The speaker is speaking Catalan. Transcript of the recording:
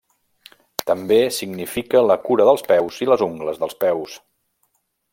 També significa la cura dels peus i les ungles dels peus.